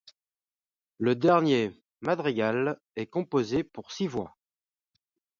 Le dernier madrigal ' est composé pour six voix.